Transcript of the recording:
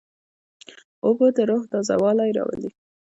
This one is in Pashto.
اوبه د روح تازهوالی راولي.